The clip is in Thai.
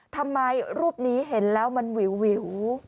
ทำไมรูปนี้เห็นแล้วมันวิว